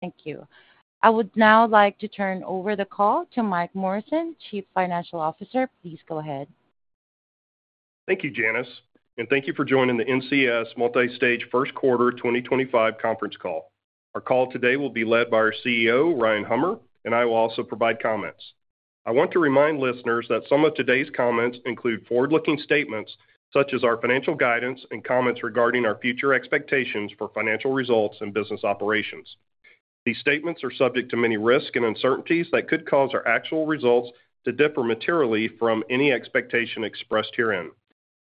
Thank you. I would now like to turn over the call to Mike Morrison, Chief Financial Officer. Please go ahead. Thank you, Janice. Thank you for joining the NCS Multistage first quarter 2025 conference call. Our call today will be led by our CEO, Ryan Hummer, and I will also provide comments. I want to remind listeners that some of today's comments include forward-looking statements such as our financial guidance and comments regarding our future expectations for financial results and business operations. These statements are subject to many risks and uncertainties that could cause our actual results to differ materially from any expectation expressed herein.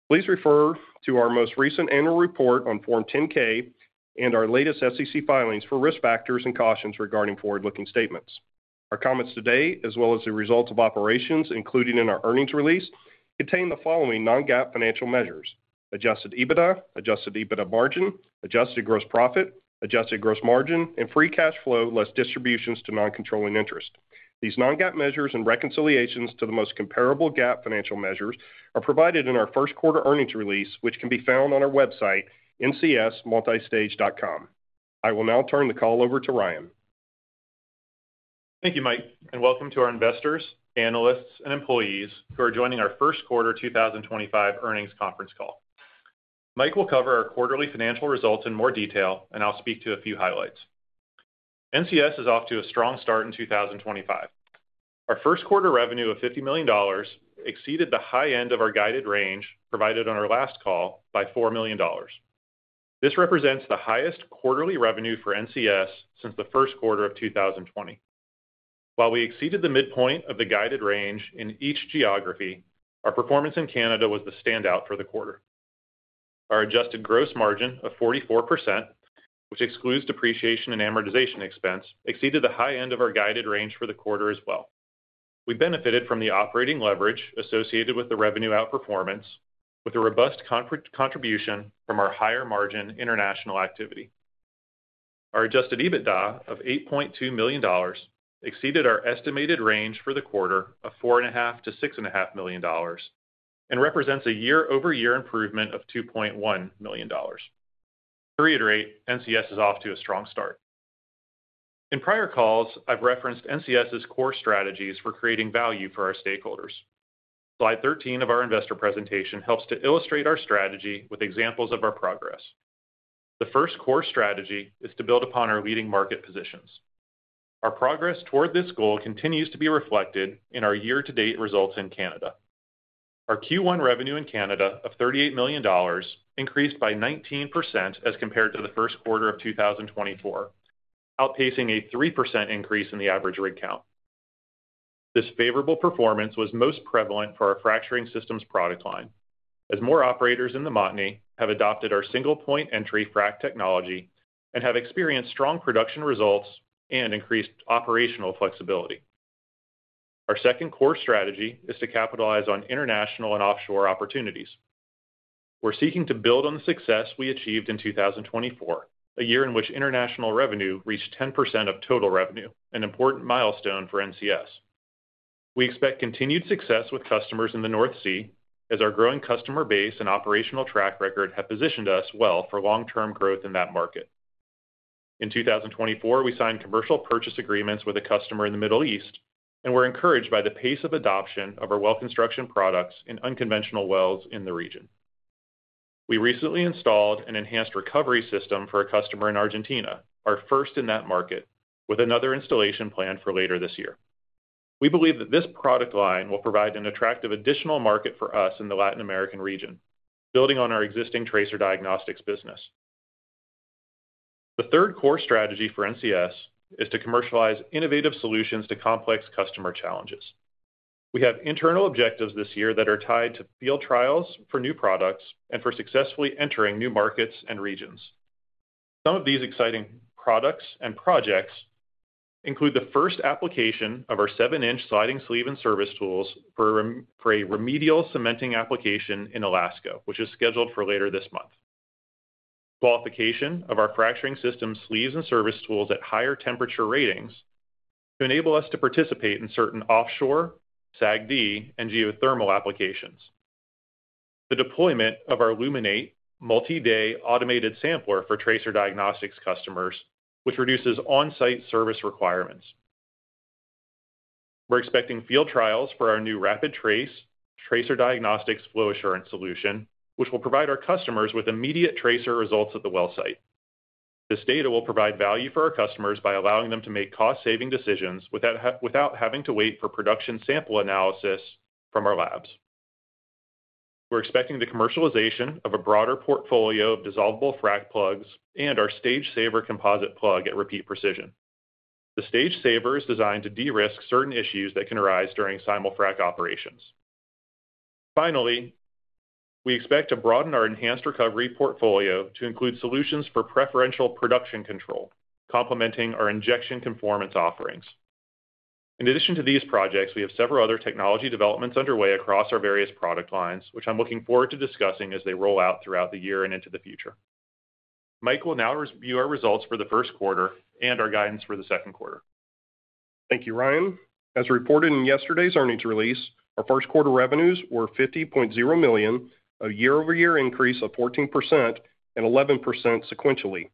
Please refer to our most recent annual report on Form 10-K and our latest SEC filings for risk factors and cautions regarding forward-looking statements. Our comments today, as well as the results of operations, including in our earnings release, contain the following non-GAAP financial measures: adjusted EBITDA, adjusted EBITDA margin, adjusted gross profit, adjusted gross margin, and free cash flow less distributions to non-controlling interest. These non-GAAP measures and reconciliations to the most comparable GAAP financial measures are provided in our first quarter earnings release, which can be found on our website, ncsmultistage.com. I will now turn the call over to Ryan. Thank you, Mike, and welcome to our investors, analysts, and employees who are joining our First Quarter 2025 earnings conference call. Mike will cover our quarterly financial results in more detail, and I'll speak to a few highlights. NCS is off to a strong start in 2025. Our first quarter revenue of $50 million exceeded the high end of our guided range provided on our last call by $4 million. This represents the highest quarterly revenue for NCS since the first quarter of 2020. While we exceeded the midpoint of the guided range in each geography, our performance in Canada was the standout for the quarter. Our adjusted gross margin of 44%, which excludes depreciation and amortization expense, exceeded the high end of our guided range for the quarter as well. We benefited from the operating leverage associated with the revenue outperformance, with a robust contribution from our higher margin international activity. Our adjusted EBITDA of $8.2 million exceeded our estimated range for the quarter of $4.5-$6.5 million and represents a year-over-year improvement of $2.1 million. To reiterate, NCS is off to a strong start. In prior calls, I've referenced NCS's core strategies for creating value for our stakeholders. Slide 13 of our investor presentation helps to illustrate our strategy with examples of our progress. The first core strategy is to build upon our leading market positions. Our progress toward this goal continues to be reflected in our year-to-date results in Canada. Our Q1 revenue in Canada of $38 million increased by 19% as compared to the first quarter of 2024, outpacing a 3% increase in the average rig count. This favorable performance was most prevalent for our fracturing systems product line, as more operators in the Montney have adopted our single-point entry frac technology and have experienced strong production results and increased operational flexibility. Our second core strategy is to capitalize on international and offshore opportunities. We're seeking to build on the success we achieved in 2024, a year in which international revenue reached 10% of total revenue, an important milestone for NCS. We expect continued success with customers in the North Sea, as our growing customer base and operational track record have positioned us well for long-term growth in that market. In 2024, we signed commercial purchase agreements with a customer in the Middle East, and we're encouraged by the pace of adoption of our well construction products in unconventional wells in the region. We recently installed an enhanced recovery system for a customer in Argentina, our first in that market, with another installation planned for later this year. We believe that this product line will provide an attractive additional market for us in the Latin American region, building on our existing tracer diagnostics business. The third core strategy for NCS is to commercialize innovative solutions to complex customer challenges. We have internal objectives this year that are tied to field trials for new products and for successfully entering new markets and regions. Some of these exciting products and projects include the first application of our 7-inch sliding sleeve and service tools for a remedial cementing application in Alaska, which is scheduled for later this month. Qualification of our fracturing system sleeves and service tools at higher temperature ratings to enable us to participate in certain offshore, SAGD, and geothermal applications. The deployment of our Luminate multi-day automated sampler for tracer diagnostics customers, which reduces on-site service requirements. We're expecting field trials for our new RapidTrace tracer diagnostics flow assurance solution, which will provide our customers with immediate tracer results at the well site. This data will provide value for our customers by allowing them to make cost-saving decisions without having to wait for production sample analysis from our labs. We're expecting the commercialization of a broader portfolio of dissolvable frac plugs and our StageSaver composite plug at Repeat Precision. The StageSaver is designed to de-risk certain issues that can arise during simul-frac operations. Finally, we expect to broaden our enhanced recovery portfolio to include solutions for preferential production control, complementing our injection conformance offerings. In addition to these projects, we have several other technology developments underway across our various product lines, which I'm looking forward to discussing as they roll out throughout the year and into the future. Mike will now review our results for the first quarter and our guidance for the second quarter. Thank you, Ryan. As reported in yesterday's earnings release, our first quarter revenues were $50.0 million, a year-over-year increase of 14% and 11% sequentially.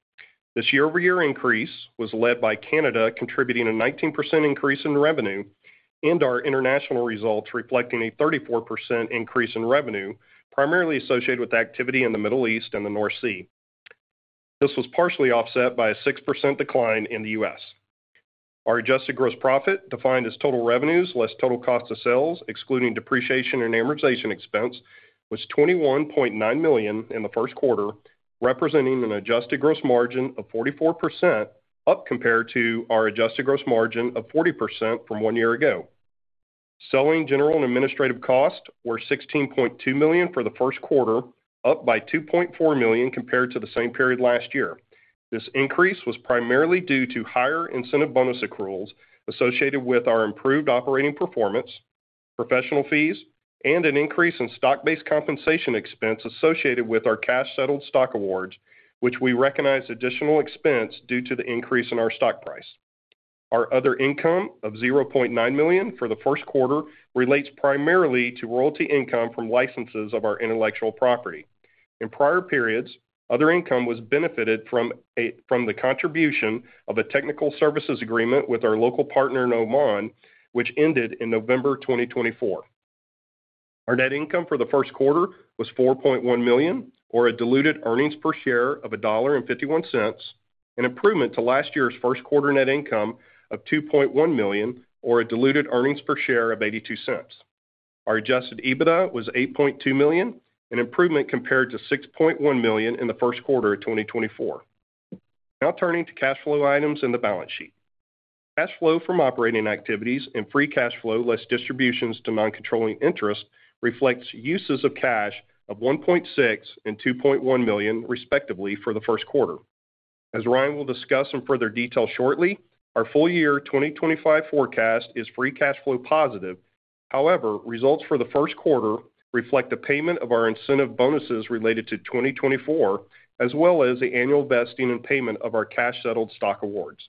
This year-over-year increase was led by Canada contributing a 19% increase in revenue and our international results reflecting a 34% increase in revenue, primarily associated with activity in the Middle East and the North Sea. This was partially offset by a 6% decline in the U.S. Our adjusted gross profit, defined as total revenues less total cost of sales, excluding depreciation and amortization expense, was $21.9 million in the first quarter, representing an adjusted gross margin of 44%, up compared to our adjusted gross margin of 40% from one year ago. Selling general and administrative costs were $16.2 million for the first quarter, up by $2.4 million compared to the same period last year. This increase was primarily due to higher incentive bonus accruals associated with our improved operating performance, professional fees, and an increase in stock-based compensation expense associated with our cash-settled stock awards, which we recognize additional expense due to the increase in our stock price. Our other income of $0.9 million for the first quarter relates primarily to royalty income from licenses of our intellectual property. In prior periods, other income was benefited from the contribution of a technical services agreement with our local partner in Oman, which ended in November 2024. Our net income for the first quarter was $4.1 million, or a diluted earnings per share of $1.51, an improvement to last year's first quarter net income of $2.1 million, or a diluted earnings per share of $0.82. Our adjusted EBITDA was $8.2 million, an improvement compared to $6.1 million in the first quarter of 2024. Now turning to cash flow items in the balance sheet. Cash flow from operating activities and free cash flow less distributions to non-controlling interest reflects uses of cash of $1.6 million and $2.1 million, respectively, for the first quarter. As Ryan will discuss in further detail shortly, our full year 2025 forecast is free cash flow positive. However, results for the first quarter reflect the payment of our incentive bonuses related to 2024, as well as the annual vesting and payment of our cash-settled stock awards.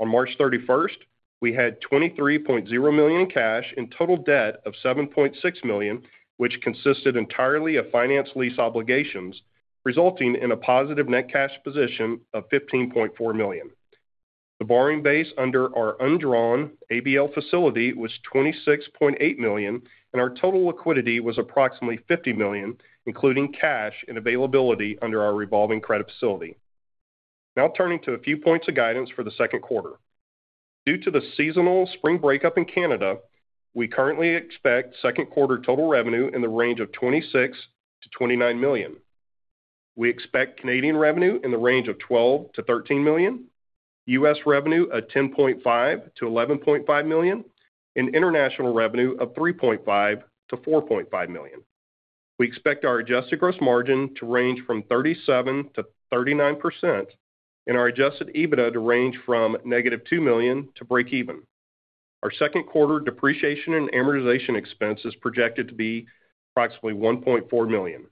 On March 31, we had $23.0 million in cash and total debt of $7.6 million, which consisted entirely of finance lease obligations, resulting in a positive net cash position of $15.4 million. The borrowing base under our undrawn ABL facility was $26.8 million, and our total liquidity was approximately $50 million, including cash and availability under our revolving credit facility. Now turning to a few points of guidance for the second quarter. Due to the seasonal spring breakup in Canada, we currently expect second quarter total revenue in the range of $26-$29 million. We expect Canadian revenue in the range of $12-$13 million, U.S. revenue of $10.5-$11.5 million, and international revenue of $3.5-$4.5 million. We expect our adjusted gross margin to range from 37%-39%, and our adjusted EBITDA to range from negative $2 million to break even. Our second quarter depreciation and amortization expense is projected to be approximately $1.4 million.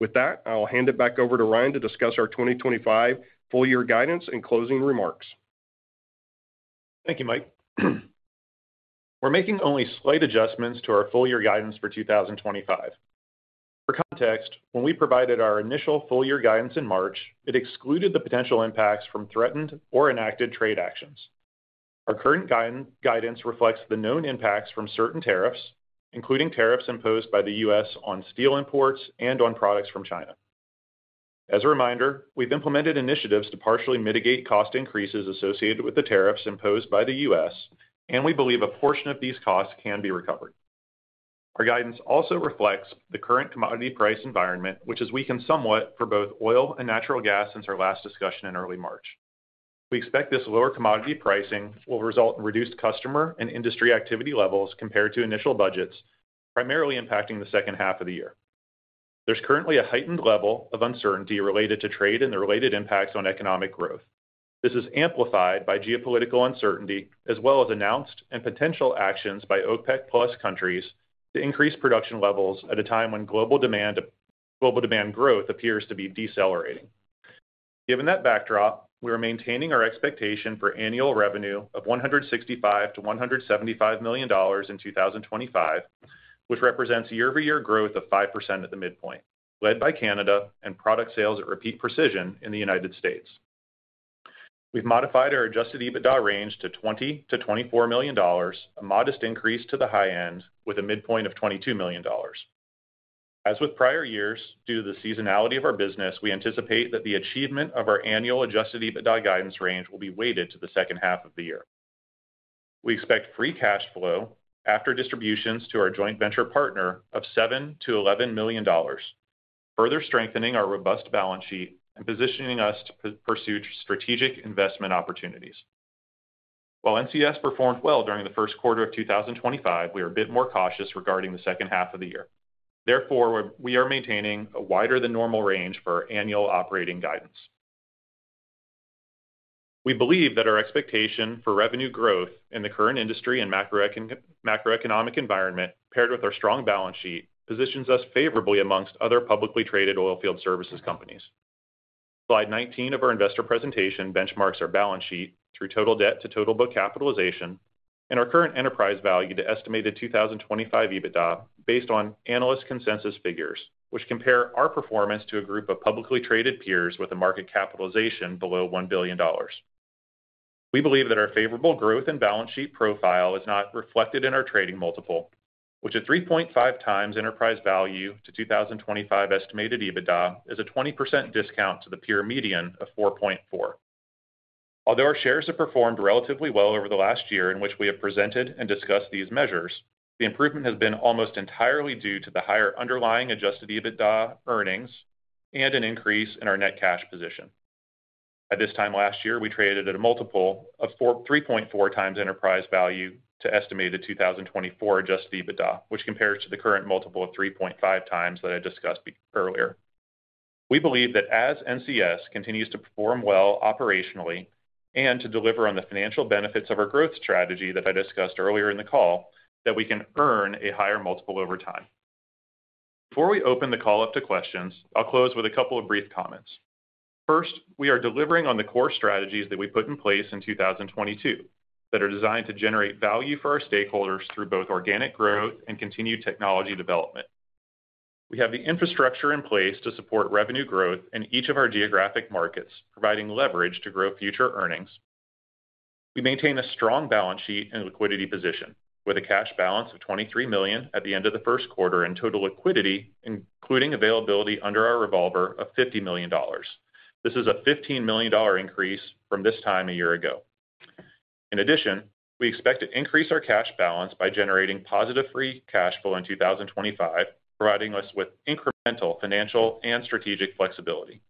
With that, I'll hand it back over to Ryan to discuss our 2025 full year guidance and closing remarks. Thank you, Mike. We're making only slight adjustments to our full year guidance for 2025. For context, when we provided our initial full year guidance in March, it excluded the potential impacts from threatened or enacted trade actions. Our current guidance reflects the known impacts from certain tariffs, including tariffs imposed by the U.S. on steel imports and on products from China. As a reminder, we've implemented initiatives to partially mitigate cost increases associated with the tariffs imposed by the U.S., and we believe a portion of these costs can be recovered. Our guidance also reflects the current commodity price environment, which has weakened somewhat for both oil and natural gas since our last discussion in early March. We expect this lower commodity pricing will result in reduced customer and industry activity levels compared to initial budgets, primarily impacting the second half of the year. There's currently a heightened level of uncertainty related to trade and the related impacts on economic growth. This is amplified by geopolitical uncertainty, as well as announced and potential actions by OPEC+ countries to increase production levels at a time when global demand growth appears to be decelerating. Given that backdrop, we are maintaining our expectation for annual revenue of $165-$175 million in 2025, which represents year-over-year growth of 5% at the midpoint, led by Canada and product sales at Repeat Precision in the U.S. We've modified our adjusted EBITDA range to $20-$24 million, a modest increase to the high end, with a midpoint of $22 million. As with prior years, due to the seasonality of our business, we anticipate that the achievement of our annual adjusted EBITDA guidance range will be weighted to the second half of the year. We expect free cash flow after distributions to our joint venture partner of $7-$11 million, further strengthening our robust balance sheet and positioning us to pursue strategic investment opportunities. While NCS performed well during the first quarter of 2025, we are a bit more cautious regarding the second half of the year. Therefore, we are maintaining a wider than normal range for our annual operating guidance. We believe that our expectation for revenue growth in the current industry and macroeconomic environment, paired with our strong balance sheet, positions us favorably amongst other publicly traded oil field services companies. Slide 19 of our investor presentation benchmarks our balance sheet through total debt to total book capitalization and our current enterprise value to estimated 2025 EBITDA based on analyst consensus figures, which compare our performance to a group of publicly traded peers with a market capitalization below $1 billion. We believe that our favorable growth and balance sheet profile is not reflected in our trading multiple, which at 3.5 times enterprise value to 2025 estimated EBITDA is a 20% discount to the peer median of 4.4. Although our shares have performed relatively well over the last year in which we have presented and discussed these measures, the improvement has been almost entirely due to the higher underlying adjusted EBITDA earnings and an increase in our net cash position. At this time last year, we traded at a multiple of 3.4 times enterprise value to estimated 2024 adjusted EBITDA, which compares to the current multiple of 3.5 times that I discussed earlier. We believe that as NCS continues to perform well operationally and to deliver on the financial benefits of our growth strategy that I discussed earlier in the call, that we can earn a higher multiple over time. Before we open the call up to questions, I'll close with a couple of brief comments. First, we are delivering on the core strategies that we put in place in 2022 that are designed to generate value for our stakeholders through both organic growth and continued technology development. We have the infrastructure in place to support revenue growth in each of our geographic markets, providing leverage to grow future earnings. We maintain a strong balance sheet and liquidity position, with a cash balance of $23 million at the end of the first quarter and total liquidity, including availability under our revolver of $50 million. This is a $15 million increase from this time a year ago. In addition, we expect to increase our cash balance by generating positive free cash flow in 2025, providing us with incremental financial and strategic flexibility.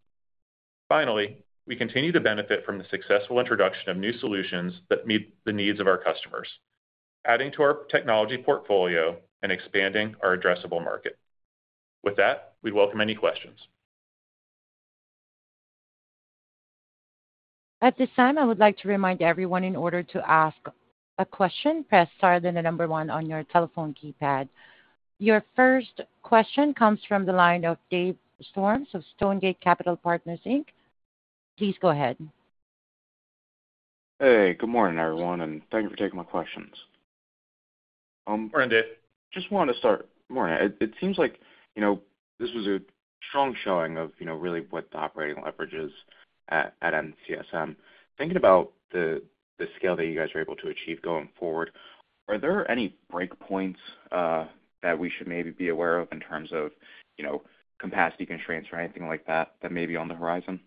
Finally, we continue to benefit from the successful introduction of new solutions that meet the needs of our customers, adding to our technology portfolio and expanding our addressable market. With that, we welcome any questions. At this time, I would like to remind everyone in order to ask a question, press star then the number one on your telephone keypad. Your first question comes from the line of Dave Storms of Stonegate Capital Partners. Please go ahead. Hey, good morning, everyone, and thank you for taking my questions. Morning, Dave. Just wanted to start, morning, it seems like this was a strong showing of really what the operating leverage is at NCS Multistage. Thinking about the scale that you guys are able to achieve going forward, are there any breakpoints that we should maybe be aware of in terms of capacity constraints or anything like that that may be on the horizon?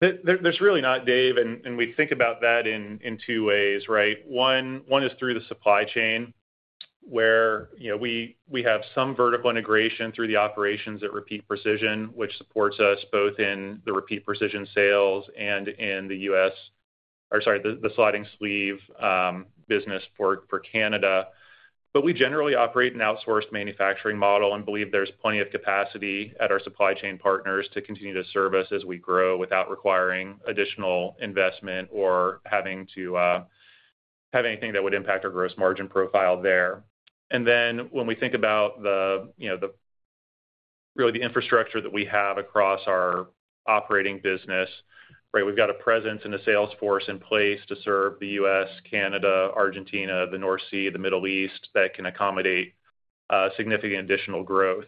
There's really not, Dave, and we think about that in two ways, right? One is through the supply chain where we have some vertical integration through the operations at Repeat Precision, which supports us both in the Repeat Precision sales and in the U.S., or sorry, the sliding sleeve business for Canada. We generally operate an outsourced manufacturing model and believe there's plenty of capacity at our supply chain partners to continue to service as we grow without requiring additional investment or having to have anything that would impact our gross margin profile there. When we think about really the infrastructure that we have across our operating business, right, we've got a presence and a sales force in place to serve the U.S., Canada, Argentina, the North Sea, the Middle East that can accommodate significant additional growth.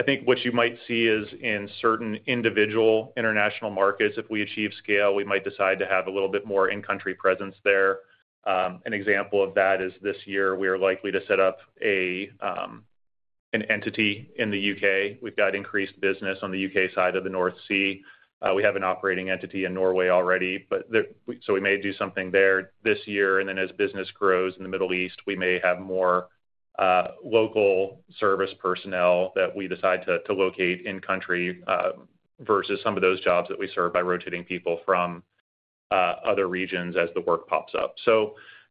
I think what you might see is in certain individual international markets, if we achieve scale, we might decide to have a little bit more in-country presence there. An example of that is this year, we are likely to set up an entity in the U.K. We've got increased business on the U.K. side of the North Sea. We have an operating entity in Norway already, so we may do something there this year. As business grows in the Middle East, we may have more local service personnel that we decide to locate in-country versus some of those jobs that we serve by rotating people from other regions as the work pops up.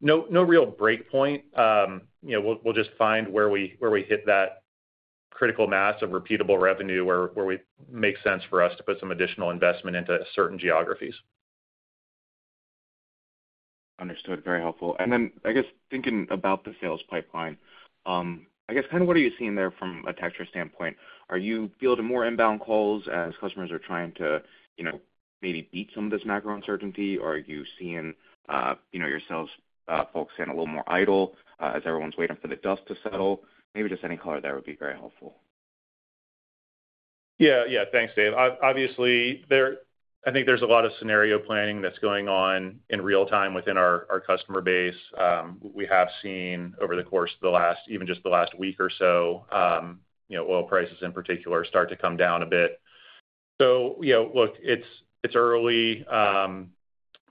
No real breakpoint. We'll just find where we hit that critical mass of repeatable revenue where it makes sense for us to put some additional investment into certain geographies. Understood. Very helpful. I guess thinking about the sales pipeline, I guess kind of what are you seeing there from a texture standpoint? Are you fielding more inbound calls as customers are trying to maybe beat some of this macro uncertainty, or are you seeing your sales folks a little more idle as everyone's waiting for the dust to settle? Maybe just any color there would be very helpful. Yeah, yeah. Thanks, Dave. Obviously, I think there's a lot of scenario planning that's going on in real time within our customer base. We have seen over the course of the last, even just the last week or so, oil prices in particular start to come down a bit. It's early,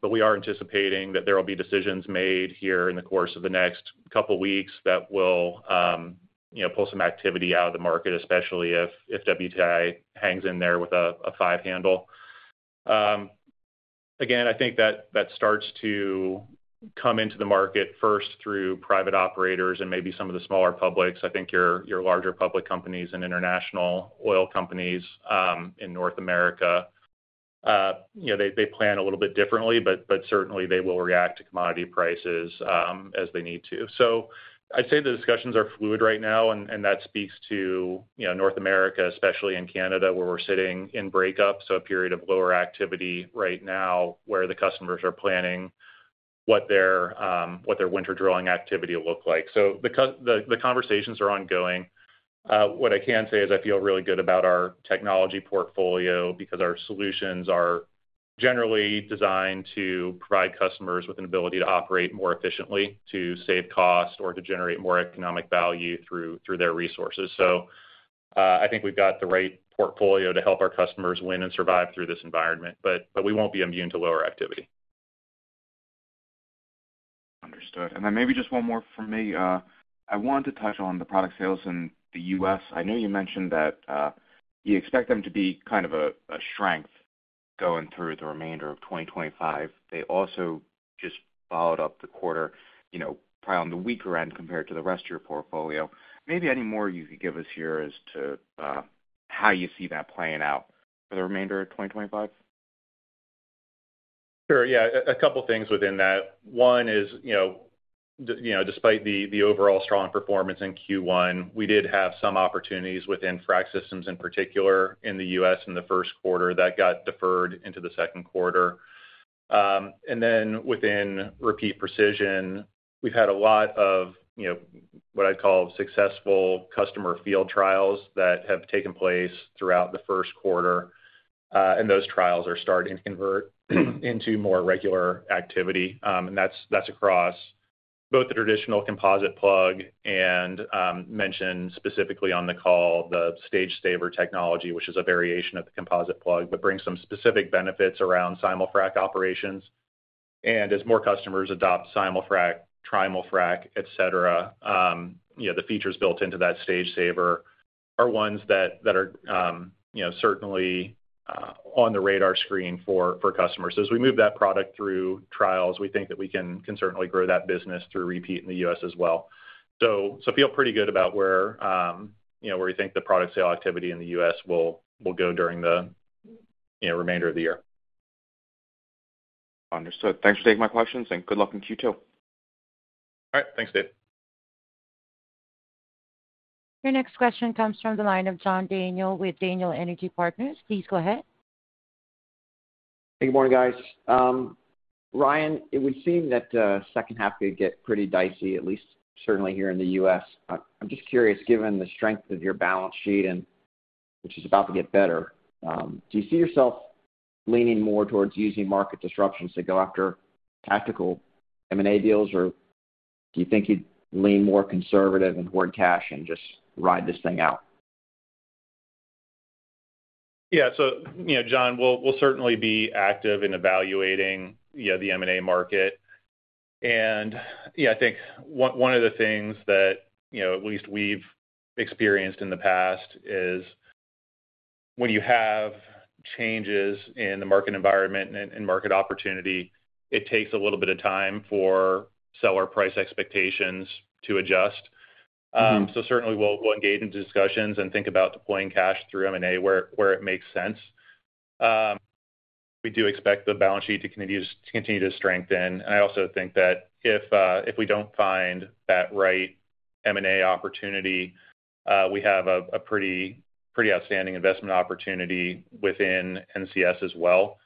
but we are anticipating that there will be decisions made here in the course of the next couple of weeks that will pull some activity out of the market, especially if WTI hangs in there with a five handle. I think that starts to come into the market first through private operators and maybe some of the smaller publics. I think your larger public companies and international oil companies in North America, they plan a little bit differently, but certainly they will react to commodity prices as they need to. I'd say the discussions are fluid right now, and that speaks to North America, especially in Canada where we're sitting in breakup, a period of lower activity right now where the customers are planning what their winter drilling activity will look like. The conversations are ongoing. What I can say is I feel really good about our technology portfolio because our solutions are generally designed to provide customers with an ability to operate more efficiently, to save cost, or to generate more economic value through their resources. I think we've got the right portfolio to help our customers win and survive through this environment, but we won't be immune to lower activity. Understood. Maybe just one more for me. I wanted to touch on the product sales in the U.S. I know you mentioned that you expect them to be kind of a strength going through the remainder of 2025. They also just followed up the quarter probably on the weaker end compared to the rest of your portfolio. Maybe any more you could give us here as to how you see that playing out for the remainder of 2025? Sure. Yeah. A couple of things within that. One is despite the overall strong performance in Q1, we did have some opportunities within frac systems in particular in the U.S. in the first quarter that got deferred into the second quarter. Within Repeat Precision, we've had a lot of what I'd call successful customer field trials that have taken place throughout the first quarter, and those trials are starting to convert into more regular activity. That's across both the traditional composite plug and mentioned specifically on the call the StageSaver technology, which is a variation of the composite plug but brings some specific benefits around simul-frac operations. As more customers adopt simul-frac, trimul-frac, etc., the features built into that StageSaver are ones that are certainly on the radar screen for customers. As we move that product through trials, we think that we can certainly grow that business through Repeat Precision in the U.S. as well. Feel pretty good about where we think the product sale activity in the U.S. will go during the remainder of the year. Understood. Thanks for taking my questions, and good luck in Q2. All right. Thanks, Dave. Your next question comes from the line of John Daniel with Daniel Energy Partners. Please go ahead. Hey, good morning, guys. Ryan, it would seem that the second half could get pretty dicey, at least certainly here in the U.S. I'm just curious, given the strength of your balance sheet, which is about to get better, do you see yourself leaning more towards using market disruptions to go after tactical M&A deals, or do you think you'd lean more conservative and hoard cash and just ride this thing out? Yeah. John, we'll certainly be active in evaluating the M&A market. I think one of the things that at least we've experienced in the past is when you have changes in the market environment and market opportunity, it takes a little bit of time for seller price expectations to adjust. Certainly, we'll engage in discussions and think about deploying cash through M&A where it makes sense. We do expect the balance sheet to continue to strengthen. I also think that if we don't find that right M&A opportunity, we have a pretty outstanding investment opportunity within NCS as well.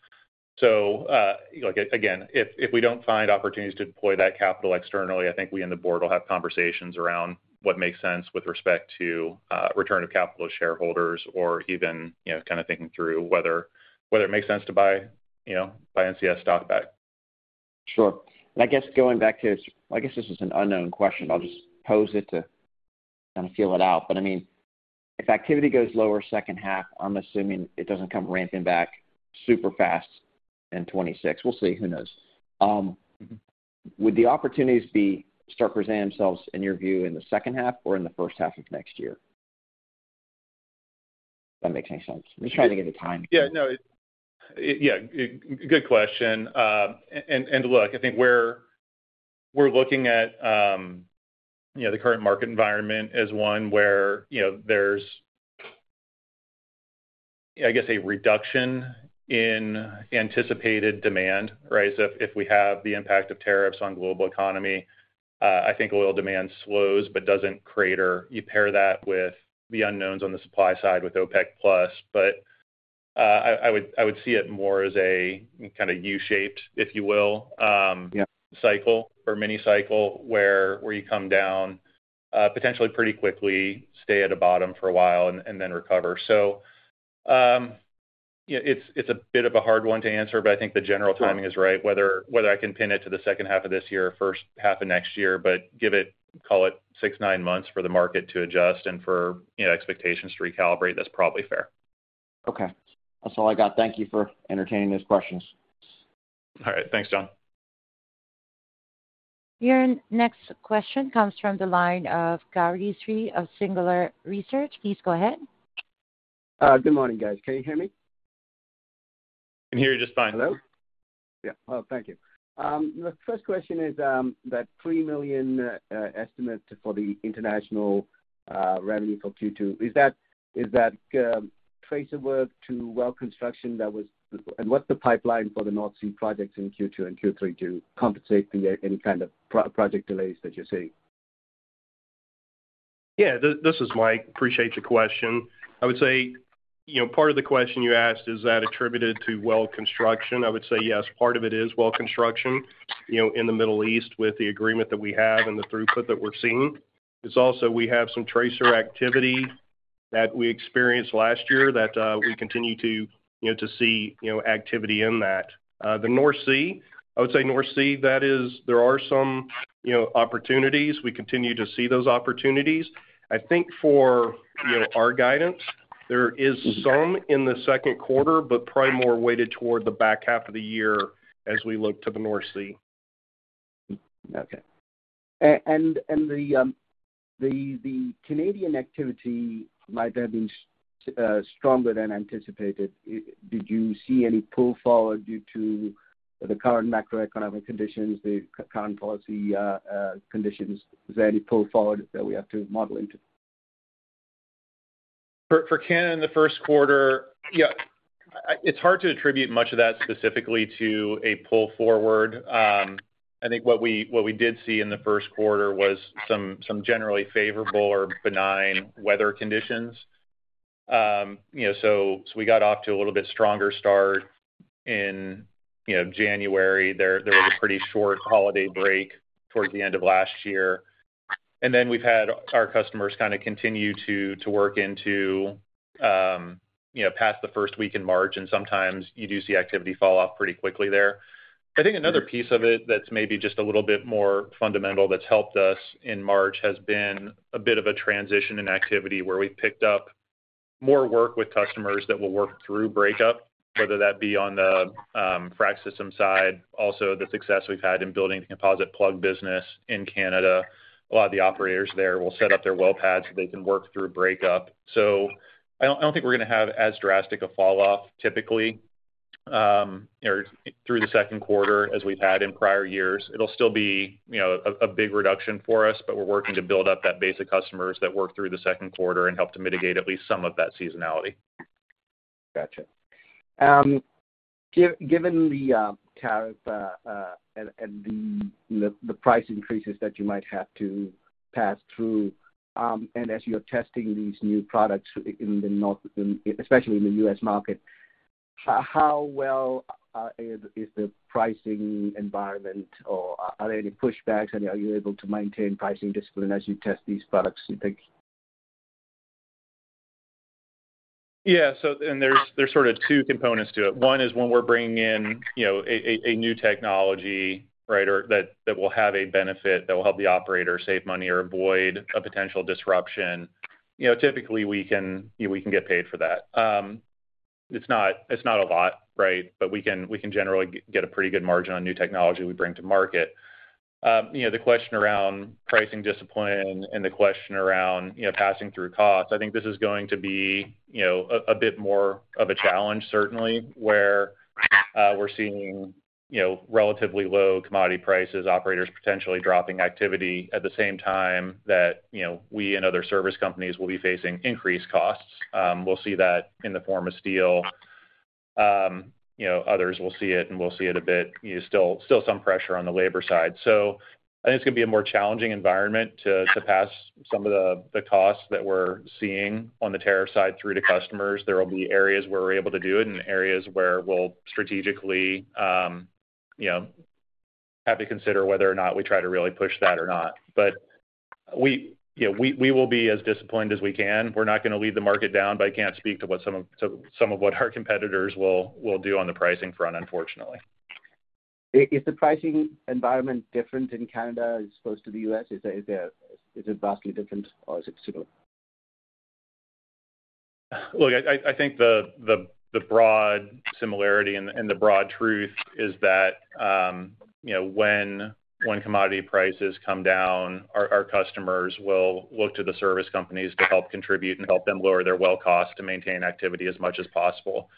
If we do not find opportunities to deploy that capital externally, I think we and the board will have conversations around what makes sense with respect to return of capital to shareholders or even kind of thinking through whether it makes sense to buy NCS stock back. Sure. I guess going back to, I guess this is an unknown question. I'll just pose it to kind of feel it out. I mean, if activity goes lower second half, I'm assuming it doesn't come ramping back super fast in 2026. We'll see. Who knows? Would the opportunities start presenting themselves in your view in the second half or in the first half of next year? If that makes any sense. I'm just trying to get the time. Yeah. No. Yeah. Good question. Look, I think we're looking at the current market environment as one where there's, I guess, a reduction in anticipated demand, right? If we have the impact of tariffs on the global economy, I think oil demand slows but doesn't crater. You pair that with the unknowns on the supply side with OPEC+, I would see it more as a kind of U-shaped, if you will, cycle or mini cycle where you come down potentially pretty quickly, stay at a bottom for a while, and then recover. It's a bit of a hard one to answer, but I think the general timing is right. Whether I can pin it to the second half of this year or first half of next year, but call it six-nine months for the market to adjust and for expectations to recalibrate, that's probably fair. Okay. That's all I got. Thank you for entertaining those questions. All right. Thanks, John. Your next question comes from the line of Gary Sri of Singular Research. Please go ahead. Good morning, guys. Can you hear me? I can hear you just fine. Hello? Yeah. Oh, thank you. The first question is that $3 million estimate for the international revenue for Q2. Is that traceable to well construction that was, and what's the pipeline for the North Sea projects in Q2 and Q3 to compensate for any kind of project delays that you're seeing? Yeah. This is Mike. Appreciate your question. I would say part of the question you asked, is that attributed to well construction? I would say yes, part of it is well construction in the Middle East with the agreement that we have and the throughput that we're seeing. Also, we have some tracer activity that we experienced last year that we continue to see activity in. The North Sea, I would say North Sea, there are some opportunities. We continue to see those opportunities. I think for our guidance, there is some in the second quarter, but probably more weighted toward the back half of the year as we look to the North Sea. Okay. The Canadian activity might have been stronger than anticipated. Did you see any pull forward due to the current macroeconomic conditions, the current policy conditions? Is there any pull forward that we have to model into? For Canada, in the first quarter, yeah, it's hard to attribute much of that specifically to a pull forward. I think what we did see in the first quarter was some generally favorable or benign weather conditions. We got off to a little bit stronger start in January. There was a pretty short holiday break towards the end of last year. We've had our customers kind of continue to work into past the first week in March, and sometimes you do see activity fall off pretty quickly there. I think another piece of it that's maybe just a little bit more fundamental that's helped us in March has been a bit of a transition in activity where we've picked up more work with customers that will work through breakup, whether that be on the frac system side. Also, the success we've had in building the composite plug business in Canada, a lot of the operators there will set up their well pads so they can work through breakup. I don't think we're going to have as drastic a falloff typically through the second quarter as we've had in prior years. It'll still be a big reduction for us, but we're working to build up that base of customers that work through the second quarter and help to mitigate at least some of that seasonality. Gotcha. Given the tariff and the price increases that you might have to pass through, and as you're testing these new products in the North, especially in the U.S. market, how well is the pricing environment? Are there any pushbacks, and are you able to maintain pricing discipline as you test these products? You think? Yeah. There are sort of two components to it. One is when we're bringing in a new technology, right, that will have a benefit that will help the operator save money or avoid a potential disruption. Typically, we can get paid for that. It's not a lot, right? But we can generally get a pretty good margin on new technology we bring to market. The question around pricing discipline and the question around passing through costs, I think this is going to be a bit more of a challenge, certainly, where we're seeing relatively low commodity prices, operators potentially dropping activity at the same time that we and other service companies will be facing increased costs. We'll see that in the form of steel. Others will see it, and we'll see it a bit. Still some pressure on the labor side. I think it's going to be a more challenging environment to pass some of the costs that we're seeing on the tariff side through to customers. There will be areas where we're able to do it and areas where we'll strategically have to consider whether or not we try to really push that or not. We will be as disciplined as we can. We're not going to lead the market down, but I can't speak to some of what our competitors will do on the pricing front, unfortunately. Is the pricing environment different in Canada as opposed to the U.S.? Is it vastly different, or is it similar? Look, I think the broad similarity and the broad truth is that when commodity prices come down, our customers will look to the service companies to help contribute and help them lower their well costs to maintain activity as much as possible.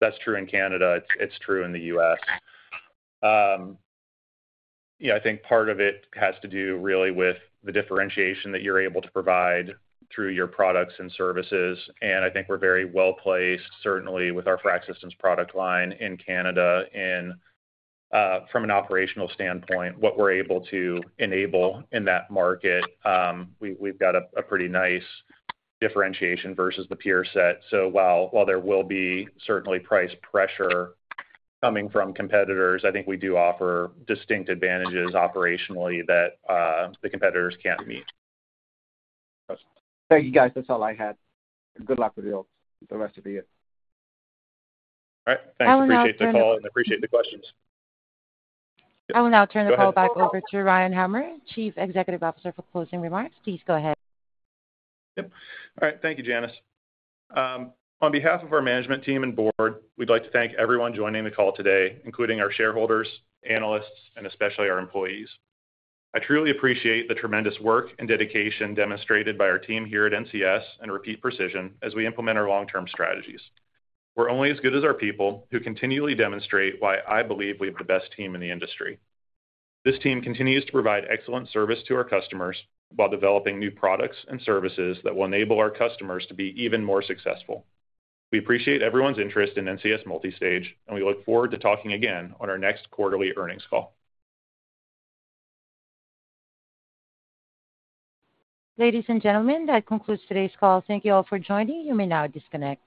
That is true in Canada. It is true in the U.S. I think part of it has to do really with the differentiation that you are able to provide through your products and services. I think we are very well placed, certainly, with our frac systems product line in Canada from an operational standpoint. What we are able to enable in that market, we have got a pretty nice differentiation versus the peer set. While there will be certainly price pressure coming from competitors, I think we do offer distinct advantages operationally that the competitors cannot meet. Thank you, guys. That's all I had. Good luck with the rest of your year. All right. Thanks. Appreciate the call and appreciate the questions. I will now turn the call back over to Ryan Hummer, Chief Executive Officer, for closing remarks. Please go ahead. Yep. All right. Thank you, Janice. On behalf of our management team and board, we'd like to thank everyone joining the call today, including our shareholders, analysts, and especially our employees. I truly appreciate the tremendous work and dedication demonstrated by our team here at NCS and Repeat Precision as we implement our long-term strategies. We're only as good as our people who continually demonstrate why I believe we have the best team in the industry. This team continues to provide excellent service to our customers while developing new products and services that will enable our customers to be even more successful. We appreciate everyone's interest in NCS Multistage, and we look forward to talking again on our next quarterly earnings call. Ladies and gentlemen, that concludes today's call. Thank you all for joining. You may now disconnect.